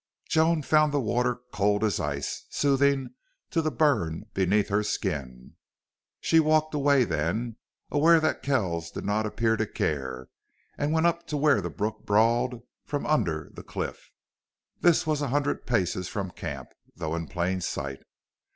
Joan found the water cold as ice, soothing to the burn beneath her skin. She walked away then, aware that Kells did not appear to care, and went up to where the brook brawled from under the cliff. This was a hundred paces from camp, though in plain sight.